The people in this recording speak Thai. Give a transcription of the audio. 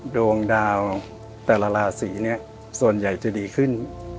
ตรงดาวแต่ละราศีส่วนใหญ่จะดีขึ้น